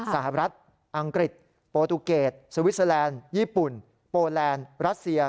สหรัฐอังกฤษโปรตูเกตสวิสเตอร์แลนด์ญี่ปุ่นโปแลนด์รัสเซีย